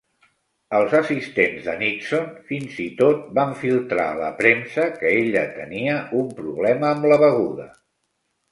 Els assistents de Nixon fins i tot van filtrar a la premsa que ella tenia un "problema amb la beguda".